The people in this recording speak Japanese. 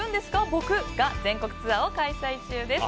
僕」が全国ツアーを開催中です。